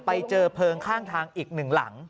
ไปเจอเพลิงข้างทางอีกหนึ่งหลัง